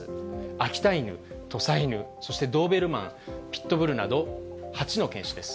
秋田犬、土佐犬、そしてドーベルマン、ピットブルなど、８の犬種です。